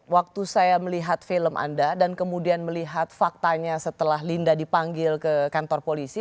waktu saya melihat film anda dan kemudian melihat faktanya setelah linda dipanggil ke kantor polisi